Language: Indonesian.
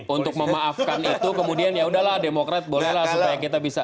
untuk memaafkan itu kemudian yaudahlah demokrat bolehlah supaya kita bisa